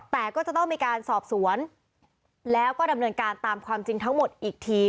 แต่ก็จะต้องมีการสอบสวนแล้วก็ดำเนินการตามความจริงทั้งหมดอีกที